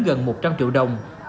gần một trăm linh triệu đồng